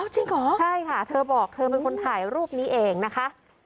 จริงเหรอใช่ค่ะเธอบอกเธอเป็นคนถ่ายรูปนี้เองนะคะ